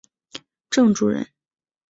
郑注人。